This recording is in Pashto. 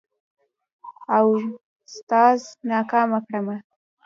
اوستاذ ناکامه کړمه.